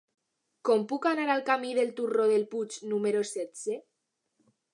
Com puc anar al camí del Turó del Puig número setze?